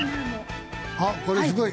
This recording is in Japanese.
あっこれすごい。